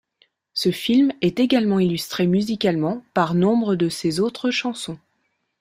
Ce film est également illustré musicalement par nombre de ses autres chansons.